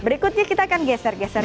berikutnya kita akan geser geser